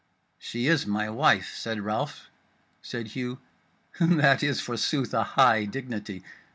"She is my wife," said Ralph. Said Hugh: "That is, forsooth, a high dignity."